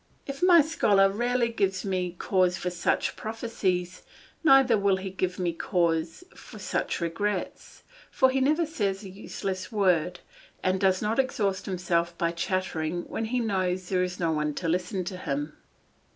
If my scholar rarely gives me cause for such prophecies, neither will he give me cause for such regrets, for he never says a useless word, and does not exhaust himself by chattering when he knows there is no one to listen to him.